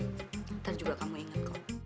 ntar juga kamu inget kok